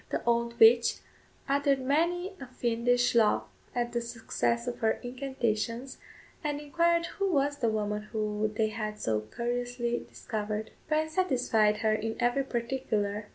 The old witch uttered many a fiendish laugh at the success of her incantations, and inquired who was the woman whom they had so curiously discovered. Bryan satisfied her in every particular.